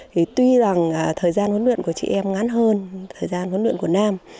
thì tuy rằng thời gian huấn luyện của chị em ngắn hơn thời gian huấn luyện của nam